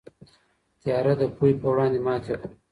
تیاره د پوهې په وړاندې ماتې خوري.